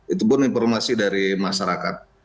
itu pun informasi dari masyarakat